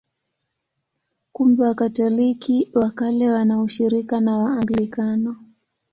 Kumbe Wakatoliki wa Kale wana ushirika na Waanglikana.